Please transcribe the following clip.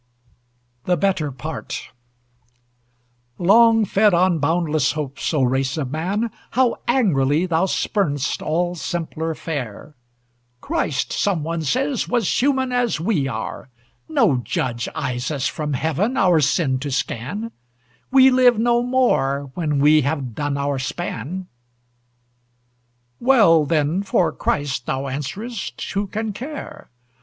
THE BETTER PART Long fed on boundless hopes, O race of man, How angrily thou spurn'st all simpler fare! "Christ," some one says, "was human as we are; No judge eyes us from Heaven, our sin to scan; We live no more when we have done our span." "Well, then, for Christ," thou answerest, "who can care?